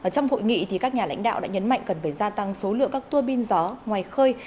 trong hội nghị các nhà lãnh đạo đã nhấn mạnh cần phải gia tăng số lượng các tuô pin gió ngoài khơi